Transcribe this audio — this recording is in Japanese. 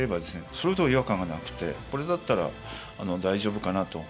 それほど違和感がなくてこれだったら大丈夫かなと。